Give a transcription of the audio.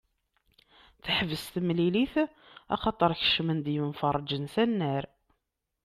Teḥbes temilit axaṭer kecmen-d yemferrĝen s annar.